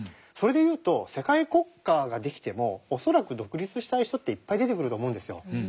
それで言うと世界国家が出来ても恐らく独立したい人っていっぱい出てくると思うんですよ。